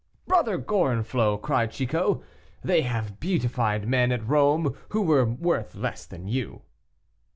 "Brother Gorenflot," cried Chicot, "they have beatified men at Rome who were worth less than you."